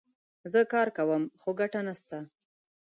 زه کار کوم ، خو ګټه نه سته